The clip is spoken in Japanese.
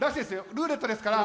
ルーレットですから。